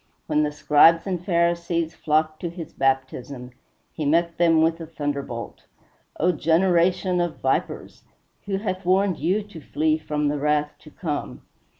When the Scribes and Pharisees flocked to his baptism, he met them with a thunderbolt: "O generation of vipers! who hath warned you to flee from the wrath to come?"